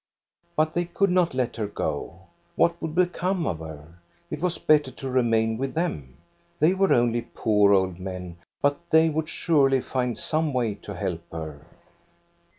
But they could not let her go. What would become of her? It was better to remain with them. They were only poor old men, but they would surely find some way to help her.